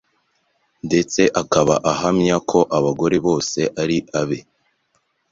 ndetse akaba ahamya ko abagore be bose ari abe